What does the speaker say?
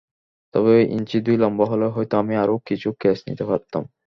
তবে ইঞ্চি দুই লম্বা হলে হয়তো আমি আরও কিছু ক্যাচ নিতে পারতাম।